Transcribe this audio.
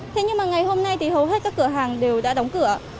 thế nhưng mà ngày hôm nay thì hầu hết các cửa hàng đều đã đóng cửa